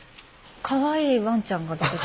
かわいいワンちゃんをね。